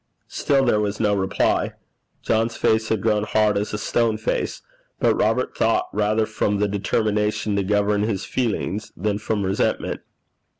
Still there was no reply. John's face had grown hard as a stone face, but Robert thought rather from the determination to govern his feelings than from resentment.